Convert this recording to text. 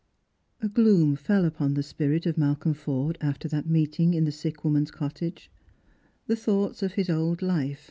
A OTiOOTvr fell upon the spirit of Malcolm Forde after that meet ing in the sick woman's cottage. The thoughts of his old life.